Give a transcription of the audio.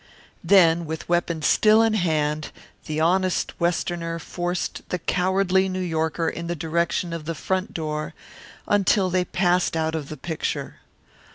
Then, with weapon still in hand, the honest Westerner forced the cowardly New Yorker in the direction of the front door until they had passed out of the picture.